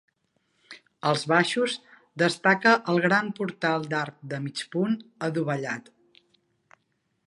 Als baixos destaca el gran portal d'arc de mig punt adovellat.